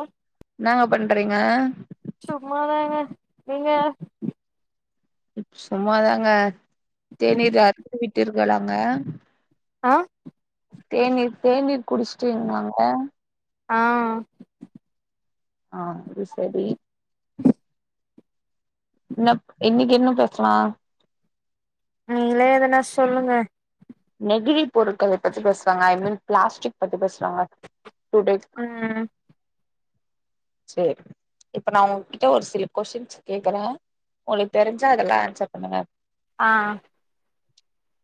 அ ன்னாங்க பண்றீங்க சும்மாதாங்க நீங்க சும்மாதாங்க தேநீர் அறுந்தி விட்டீர்கலாங்க ஆஹ் தேநீர் தேநீர் குடிச்சீட்டிங்கலாங்க ஆஹ ஆ அது செரி ன்னாப் இன்னிக்கு என்ன பேசலா நீங்களே எதனா சொல்லுங்க நெகிழி பொருட்களல பத்தி பேசுளாங்க ஐ மீன் பிளாஸ்டிக் பத்தி பேசுளாங்க டூ டே ம் செரி இப்ப நா உங்கிட்ட ஒரு சில கொஸ்டின்ஸ் கேக்குறே உங்குளுக்கு தெரிஞ்சா அதெல்லா ஆன்சர் பண்ணுங்க ஆஹ்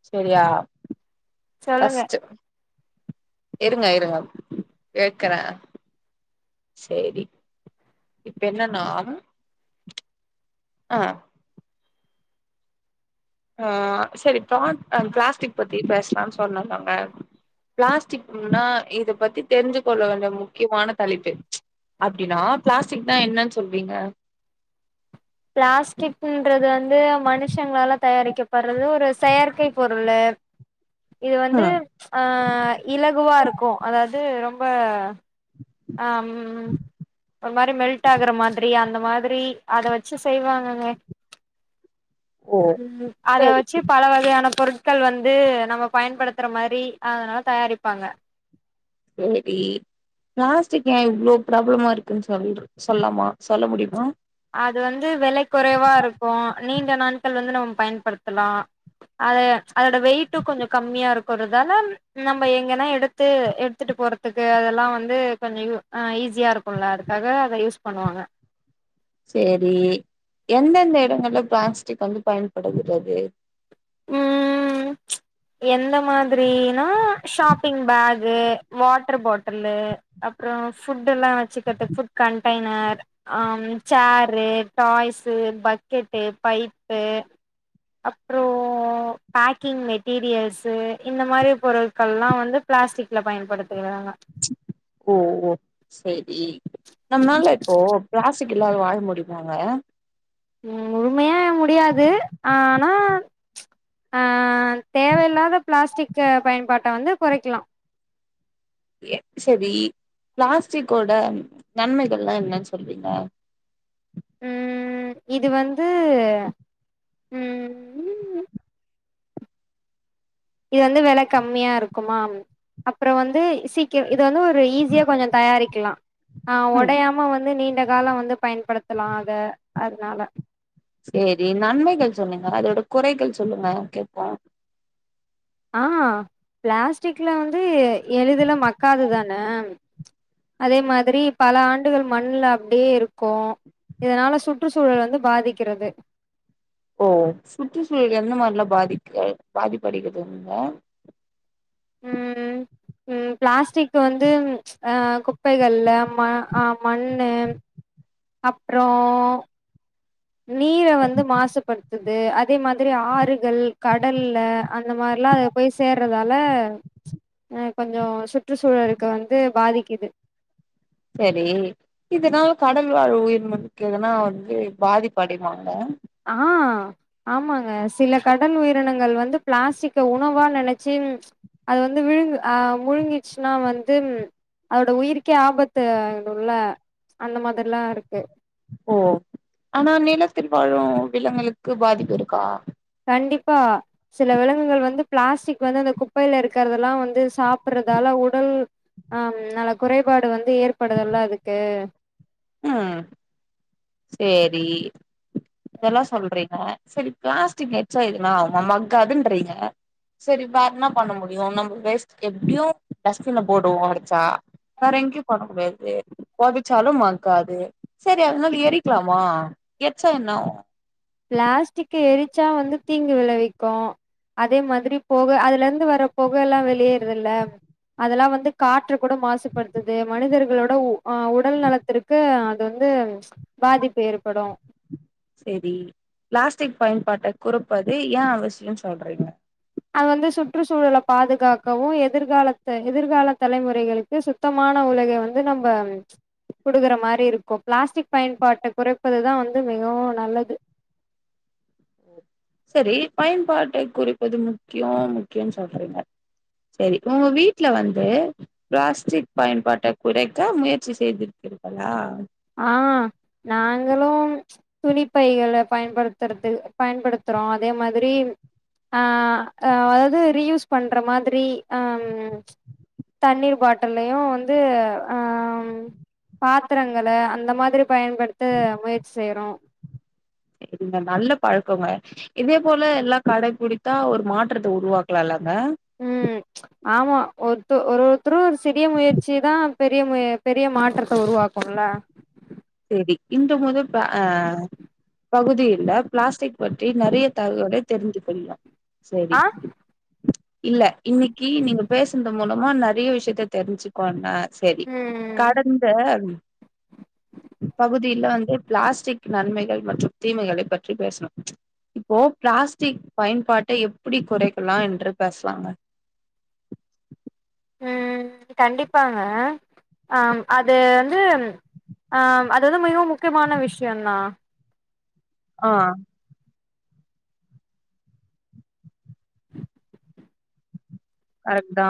செரியா சொல்லுங்க ஃபஸ்ட்டு இருங்க இருங்க கேக்கற செரி இப்ப என்னன்னா ஆஹ் ஆஹ செரி பிளா அஹ் பிளாஸ்டிக் பத்தி பேசுலான்னு சொன்ன இல்லங்க பிளாஸ்டிக்னா இத பத்தி தெரிஞ்சு கொள்ள வேண்டிய முக்கியமான தலைப்பு அப்டின்னா பிளாஸ்டிக்னா என்னன் சொல்வீங்க பிளாஸ்டிக்ன்றது வந்து மனுஷங்களால தயாரிக்கப்படுறது ஒரு செயற்கை பொருளு இது வந்து ம் ஆஹ் இலகுவா இருக்கு அதாவது ரொம்ப ஹாம் ஒரு மாரி மெல்ட் ஆகுற மாதிரி அந்த மாதிரி அத வெச்சு செய்வாங்கங்க ஓ ம் அத சரி வச்சு பல வகையான பொருட்கள் வந்து நம்ம பயன்படுத்துற மாரி அதனால தயாரிப்பாங்க சேரி பிளாஸ்டிக் ஏன் இவ்ளோ ப்பிராப்ளமா இருக்குன்னு சொல் சொல்லாமா சொல்ல முடியுமா அது வந்து வெலை குறைவா இருக்கு நீண்ட நாட்கள் வந்து நம்ம பயன்படுத்தலா அத அதோட வெயிட்டும் கொஞ்சம் கம்மியா இருக்குறதால நம்ம எங்கன்னா எடுத் து எடுத்துட்டு போறதுக்கு அதெல்லா வந்து கொஞ்சம் யூ அஹ் ஈஸியா இருக்குல்ல அதுக்காக அத யூஸ் பண்ணுவாங்க சேரி எந்தெந்த எடங்கள்ல பிளாஸ்டிக் வந்து பயன்படுகிறது உம் ச் எந்த மாதிரினா ஷாப்பிங் பேக் அது வாட்டர் பாட்டுலு அப்புறோ ஃபுட் எல்லா வச்சுக்கிறதுக் ஃபுட் கண்ட்டைய்னர் ஹம் சேரு டாய்சு பக்கெட்டு பைப்பு அப்புறோ பேக்கிங் மெட் டீரியல்ஸ்சு இந்த மாரி பொருட்கள்லா வந்து பிளாஸ்டிக்ல பயன்படுத்துகிறாங்க ஓஓ செரி நம்மளால இப்போ பிளாஸ் டிக்கில்லாது வாழ முடிம்மாங்க முழுமையா முடியாது ஆனா ஹ் தேவயில்லாத பிளாஸ்டிக்கு பயன்பாட்ட வந்து கொறைக்கலா எ செரி பிளாஸ்டிக்கோட நன்மைகள்ல்லா என்னன் சொல்வீங்க? ம் இது வந்து ம் ம் இது வந்து வெல கம்மியா இருக்குமா அப்றோ வந்து சீ க்க இது வந்து ஒரு ஈஸியா கொஞ்சோ தயாரிக்கலா அ ஒடையாம வந்து நீண்ட காலோ வந்து பயன்படுத்த லா அத அதுனால சேரி நன்மைகள் சொன்னீங்க அதோட குறைகள் சொல்லுங்க கேட்போ ஆ பிளாஸ்டிக்ல வந்து எளிதுல மக்காது தான அதே மாதிரி பல ஆண்டுகள் மண்ல அப்டியே இருக்கு இதனால சுற்று சூழல் வந்து பாதிக்கறது ஓ சுற்றுச்சூழல் எந்த மாதிரிலா பாதிக்க பாதிப்படைகுதுங்க ம். ம் பிளாஸ்டிக் வந்து அ குப்பைகள்ல ம ஆ மண்ணு அப்றம் நீர வந்து மாசுபடுத்துது அதே மாதிரி ஆறுகள் கடல்ல அந்த மாரிலா அது போய் சேர்றதால அ கொஞ்ச சுற்றுச்சூழலுக்கு வந்து பாதிக்குது சரி இதுனால் கடல் வாழ் உயிர்க்கு எதுனா வந்து பாதிப்படையுமாங்க ஆ ஆமாங்க சில கடல் உயிரினங்கள் வந்து பிளாஸ்டிக்க உணவா நெனச்சு அது வந்து விழுங்க அ முழுங்கிச்சுன்னா வந்து அதோட உயிருக்கே ஆபத்து ஆயிடோல அந்த மாதிரிலா இருக்கு ஓ ஆனா நிலத்தில் வாழும் விலங்களுக்கு பாதிப்பு இருக்கா கண்டிப்பா. சில விலங்குகள் வந்து பிளாஸ்டிக் வந்து அந்த குப்பைல இருக்குறதல்லாம் வந்து சாப்பறதால உடல் அ அனால குறைபாடு வந்து ஏற்படுதுல அதுக்கு ம் சேரி இதெல்லாம் சொல்றீங்க சரி பிளாஸ்டிக் எரிச்சா எதுனா ஆகுமா மக்காதுன்றீங்க சரி வேர் என்ன பண்ண முடியு நம்ம வேஸ்ட்க்கு எப்டியும் டஸ்ட்பின்ல போடுவோ அடச்சா வேற எங்கயும் போட முடியாது பொதச்சாலும் மக்காது செரி அதனால எரிக்குலாமா எர்ச்சா என்னாவோ பிளாஸ்டிக்க எரிச்சா வந்து தீங்கு விளைவிக்கும் அதே மாதிரி புக அதுல இருந்து வர புகல்லாம் வெளியேறுதுல்ல அதெல்லா வந்து காற்று கூட மாசுபடுத்துது மனிதர்களோட உடல் நலத்திற்கு அது வந்து பாதிப்பு ஏற்படும் செரி பிளாஸ்டிக் பயன்பாட்ட குறப்பது ஏ அவசியோ சொல்றீங்க அது வந்து சுற்றுச்சூழல பாதுகாக்கவு எதிர்காலத்த எதிர்கால தலைமுறைகளுக்கு சு சுத்தமான உலக வந்து நம்ம குடுக்கற மாரி இருக்கும் பிளாஸ்டிக் பயன்பாட்ட குறைப்பதுதா வந்து மிகவும் நல்லது சரி பயன்பாட்டை குறைப்பது முக்கியம் முக்கியம்னு சொல்றீங்க சரி உங்க வீட்ல வந்து பிளாஸ்டிக் பயன்பாட்ட குறைக்க முயற்சி செய்திருக்கீர்களா ஆ நாங்களும் துணிப்பைகள பயன்படுத்துறது பயன்படுத்துறோம் அதே மாதிரி அ அதாவ்து ரீயூஸ் பண்ற மாதிரி அம் தண்ணீர் பாட்டில்லையு வந்து அ பாத்திரங் கள அந்த மாதிரி பயன்படுத்த முயற்சி செய்றோ செரிங்க நல்ல பழக்கோங்க இதே போல எல்லாம் கடைபிடித்தா ஒரு மாற்றத்த உருவாக்கலா இல்லாங்க ம் ஆமா ஒருத்த ஒரு ஒருத்தரும் ஒரு சிறிய முயற்சி தா பெரிய பெரிய மாற்றத்த உருவாக்கும் சொல்றா செரி இந்த முத ப அ பகுதியில பிளாஸ்டிக் பற்றி நெறைய தகவலை தெரிந்து கொள்ளலாம் செரி ஆ இல்ல இன்னைக்கி நீங்க பேசனது மூலமா நறைய விஷயத்த தெரிஞ்சுக்குவாங்க செரி ம் கடந்த பகுதில வந்து பிளாஸ்டிக் நன்மைகள் மற்றும் தீமைகளை பற்றி பேஸ்னோ இப்போ பிளாஸ்டிக் பயன்பாட்டை எப்டி குறைக்கலா என்று பேஸ்லாங்க ம் கண்டிப்பாங்க ஆம் அது வந்து ஆம் அது வந்து மிகவும் முக்கியமான விஷ்யந்தா ஆ கரெக்ட் தா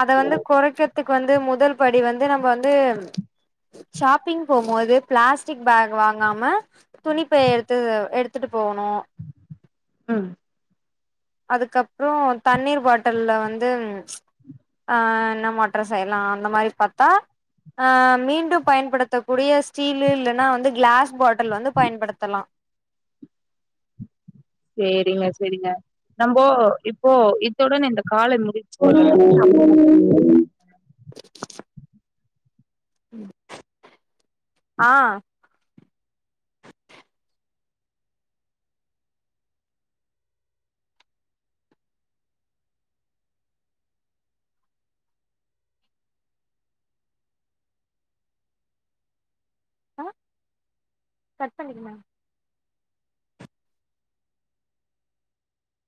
அத வந்து குறைக்கர்த்துக் வந்து முதல் படி வந்து நம்ம வந்து ஷாப்பிங் போம்போது பிளாஸ்டிக் பேக் வாங்காம துணிப்பை எடுத்து எடுத்துட்டு போகணு ம் அதுக்கப்றோ தண்ணீர் பாட்டல்ல வந்து ஆ என்ன மாற்றோ செய்யலா அந்த மாரி பாத்தா ஆ மீண்டு பயன்படுத்தக்கூடிய ஸ்டீலு இல்லனா வந்து கிளாஸ் பாட்டல் வந்து பயன்படுத்தலா சேரிங்க செரிங்க நம்போ இப்போ இத்துடன் இந்த கால முடிச்சு [inaudible] ஆ ஆ கட் பண்ணிக்கங்க